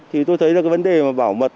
thì tôi thấy là cái vấn đề bảo mật